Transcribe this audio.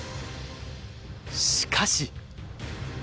しかし。